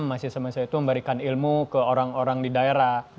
mahasiswa mahasiswa itu memberikan ilmu ke orang orang di daerah